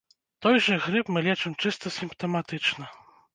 Той жа грып мы лечым чыста сімптаматычна.